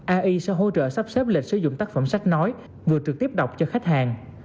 ai sẽ hỗ trợ sắp xếp lịch sử dụng tác phẩm sách nói vừa trực tiếp đọc cho khách hàng